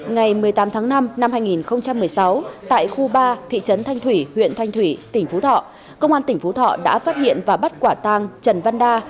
ngày một mươi tám tháng năm năm hai nghìn một mươi sáu tại khu ba thị trấn thanh thủy huyện thanh thủy tỉnh phú thọ công an tỉnh phú thọ đã phát hiện và bắt quả tàng trần văn đa